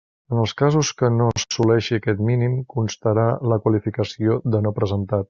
En els casos que no s'assoleixi aquest mínim, constarà la qualificació de “No presentat”.